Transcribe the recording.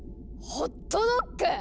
ホットドッグ